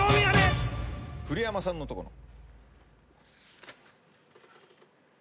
古山さんのとこの。